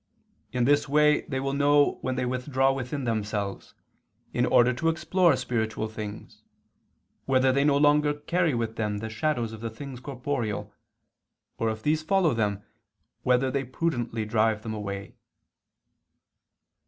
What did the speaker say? In this way they will know when they withdraw within themselves, in order to explore spiritual things, whether they no longer carry with them the shadows of the things corporeal, or, if these follow them, whether they prudently drive them away."